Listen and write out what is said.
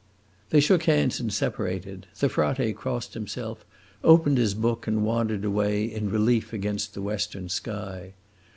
They shook hands and separated. The frate crossed himself, opened his book, and wandered away, in relief against the western sky.